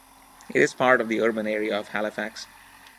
It is part of the urban area of Halifax.